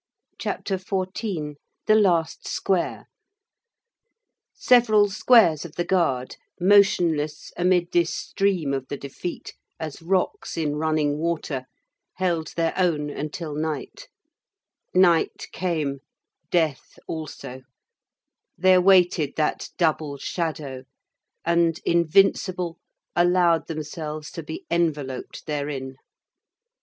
CHAPTER XIV—THE LAST SQUARE Several squares of the Guard, motionless amid this stream of the defeat, as rocks in running water, held their own until night. Night came, death also; they awaited that double shadow, and, invincible, allowed themselves to be enveloped therein.